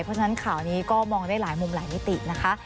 เพราะฉะนั้นข่าวนี้ก็มองได้หลายมุมหลายมิตินะคะ